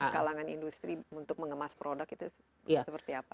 kalangan industri untuk mengemas produk itu seperti apa